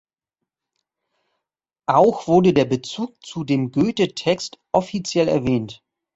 Auch wurde der Bezug zu dem Goethe-Text offiziell erwähnt.